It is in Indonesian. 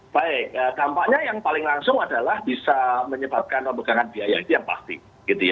baik dampaknya yang paling langsung adalah bisa menyebabkan pemegangan biaya itu yang pasti